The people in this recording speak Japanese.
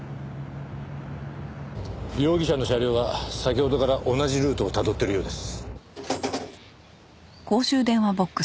容疑者の車両は先ほどから同じルートをたどってるようです。